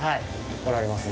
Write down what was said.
おられますね。